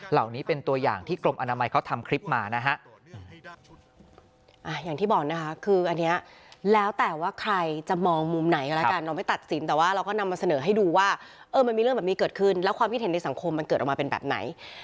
เหล่านี้เป็นตัวอย่างที่กรมอนามัยเขาทำคลิปมานะฮะ